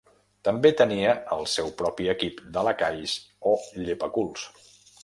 També tenia el seu propi equip de lacais o llepaculs.